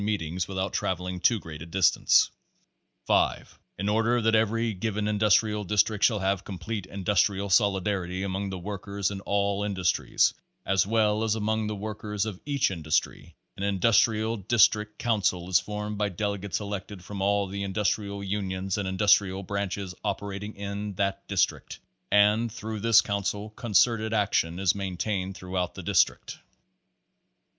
meet ings without traveling too great a distance. 5. In order that every given industrial district shall have complete industrial solidarity among the workers in all industries as well as among the workers of each industry, an INDUSTRIAL DISTRICT COUN CIL is formed by delegates elected from all the Indus trial Unions and Industrial Branches operating in that district and, through this Council concerted action is maintained throughout the district.